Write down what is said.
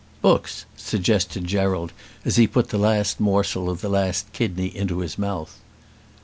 "Books," suggested Gerald, as he put the last morsel of the last kidney into his mouth.